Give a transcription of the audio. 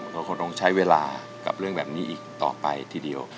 ก็คงต้องใช้เวลากับเรื่องแบบนี้อีกต่อไปทีเดียว